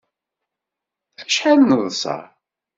Acḥal neḍsa!